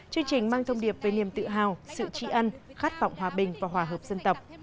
chương trình mang thông điệp về niềm tự hào sự tri ân khát vọng hòa bình và hòa hợp dân tộc